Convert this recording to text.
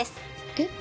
えっ？